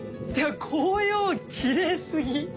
ってか紅葉きれいすぎ。